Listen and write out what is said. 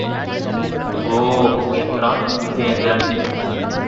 ஒ! என்றான் விஜயேந்திரன்.